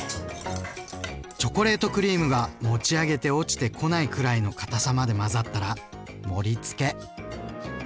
チョコレートクリームが持ち上げて落ちてこないくらいのかたさまで混ざったら盛りつけ。